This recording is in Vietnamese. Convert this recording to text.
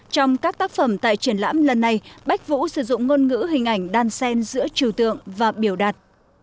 trong các tác phẩm tại triển lãm lần này bách vũ sử dụng ngôn ngữ hình ảnh đan sen giữa trừ tượng và biểu đạt